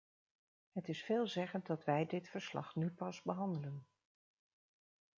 Het is veelzeggend dat wij dit verslag nu pas behandelen.